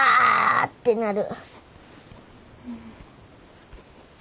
ってなる。